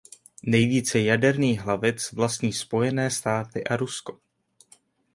Nejvíce jaderných hlavic vlastní Spojené státy a Rusko.